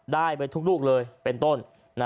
ได้ไปทุกลูกเลยเป็นต้น